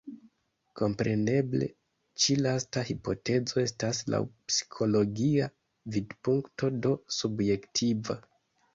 Kompreneble ĉi lasta hipotezo estas laŭ psikologia vidpunkto, do subjektiva.